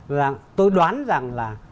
rằng tôi đoán rằng là